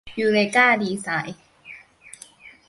ยูเรกา ดีไซน์